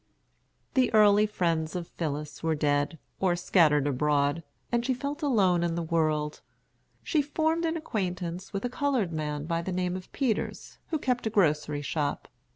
The early friends of Phillis were dead, or scattered abroad, and she felt alone in the world. She formed an acquaintance with a colored man by the name of Peters, who kept a grocery shop.